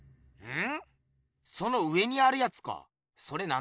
ん？